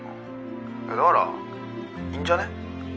いやだからいいんじゃねぇ？